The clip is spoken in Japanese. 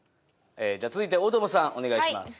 続いて大友さんお願いします。